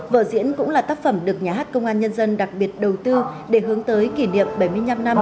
vở diễn cũng là tác phẩm được nhà hát công an nhân dân đặc biệt đầu tư để hướng tới kỷ niệm bảy mươi năm năm